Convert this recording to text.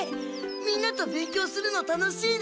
みんなと勉強するの楽しいです！